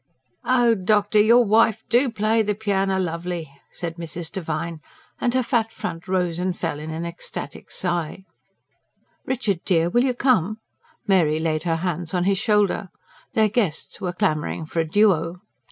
"Oh, doctor! your wife DO play the pianner lovely," said Mrs. Devine, and her fat front rose and fell in an ecstatic sigh. "Richard dear, will you come?" Mary laid her hands on his shoulder: their guests were clamouring for a DUO.